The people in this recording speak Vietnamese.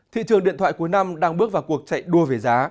thị trường điện thoại cuối năm đang bước vào cuộc chạy đua về giá